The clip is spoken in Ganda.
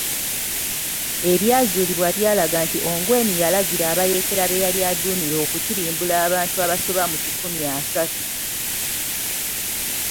Ebyazuulibwa byalaga nti Ongwen yalagira abayeekera be yali aduumira okutirimbula abantu abasoba mu kikumi asatu.